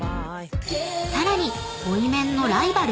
［さらにボイメンのライバル⁉